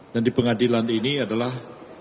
dan di pengadilan ini adalah